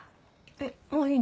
えっもういいの？